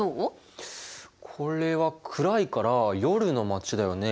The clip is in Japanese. これは暗いから夜の街だよね。